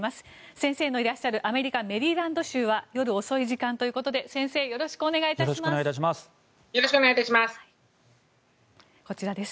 先制のいらっしゃるアメリカ・メリーランド州は夜遅い時間ということで先生、よろしくお願いします。